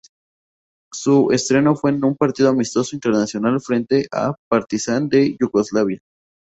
Su estreno fue en un partido amistoso internacional frente a Partizán de Yugoslavia.